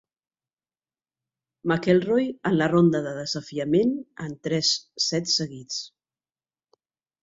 McElroy en la ronda de desafiament en tres sets seguits.